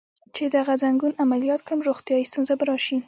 چې دغه ځنګون عملیات کړم، روغتیایی ستونزه به راشي.